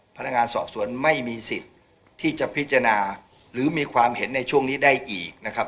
พนักงานสอบสวนไม่มีสิทธิ์ที่จะพิจารณาหรือมีความเห็นในช่วงนี้ได้อีกนะครับ